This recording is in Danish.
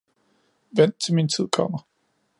Vent til min tid kommer!